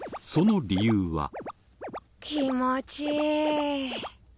その理由は。